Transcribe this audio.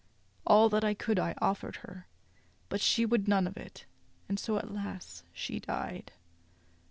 All that I could I offered her; but she would none of it, and so, alas! she died."